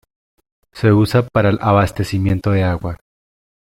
Se usa para el abastecimiento de agua.